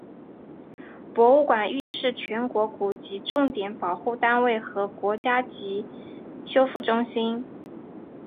博物馆亦是全国古籍重点保护单位和国家级古籍修复中心。